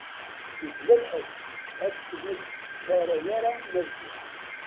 Mebla lḥess akken ur d-teskaray ara Maziɣ.